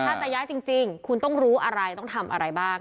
ถ้าจะย้ายจริงคุณต้องรู้อะไรต้องทำอะไรบ้าง